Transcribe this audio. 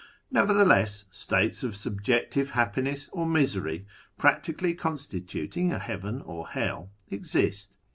Nevertheless, states of subjective happiness or misery, practically constituting a heaven or hell, exist.